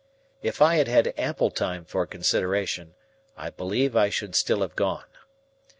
If I had had ample time for consideration, I believe I should still have gone.